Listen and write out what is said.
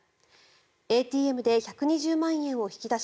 ＡＴＭで１２０万円を引き出し